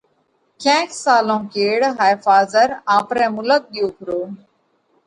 ڪينڪ سالون ڪيڙ هائي ڦازر آپرئہ مُلڪ ڳيو پرو،